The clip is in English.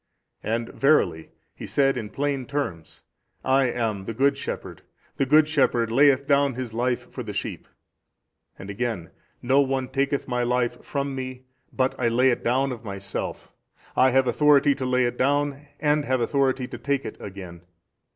And verily He said in plain terms, I am the Good Shepherd, the Good Shepherd layeth down His Life for His sheep, and again, No one taketh My life from Me but I lay it down of Myself, I have authority to lay it down and have authority to take it again.